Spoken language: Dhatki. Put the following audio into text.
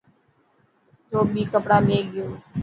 ڌوٻي ڪپڙا لي گيو.